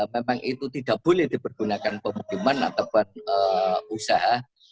memang itu tidak boleh dipergunakan pemukiman ataupun usaha